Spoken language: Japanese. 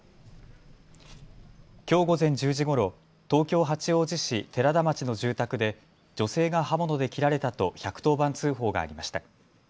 きょう午前１０時ごろ、東京八王子市寺田町の住宅で女性が刃物で切られたと１１０番通報がありました。